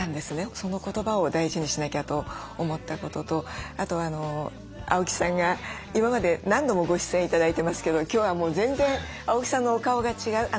その言葉を大事にしなきゃと思ったこととあと青木さんが今まで何度もご出演頂いてますけど今日は全然青木さんのお顔が違う。